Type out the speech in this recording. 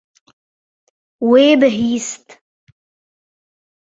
Wê bihîst.